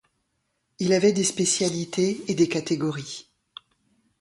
Il avait des spécialités et des catégories.